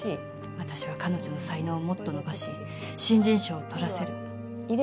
私は彼女の才能をもっと伸ばし新人賞をとらせる。